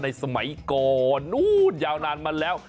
ในสมัยก่อนยาวนานมาแล้ว